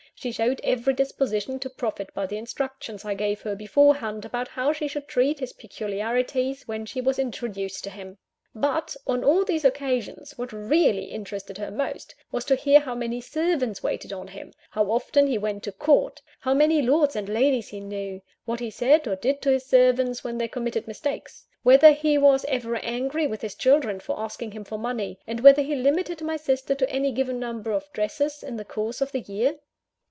She showed every disposition to profit by the instructions I gave her beforehand, about how she should treat his peculiarities when she was introduced to him. But, on all these occasions, what really interested her most, was to hear how many servants waited on him; how often he went to Court; how many lords and ladies he knew; what he said or did to his servants, when they committed mistakes; whether he was ever angry with his children for asking him for money; and whether he limited my sister to any given number of dresses in the course of the year?